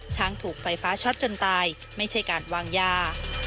ถูกไฟฟ้าช็อตจนตายไม่ใช่การวางยา